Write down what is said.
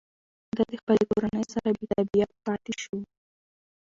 ده د خپلې کورنۍ سره بېتابعیت پاتې شو.